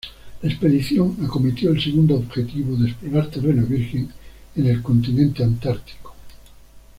La expedición acometió el segundo objetivo de explorar terreno virgen en el continente antártico.